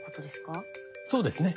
そうですね。